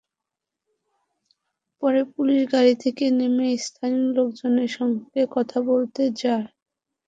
পরে পুলিশ গাড়ি থেকে নেমে স্থানীয় লোকজনের সঙ্গে কথা বলতে যায়।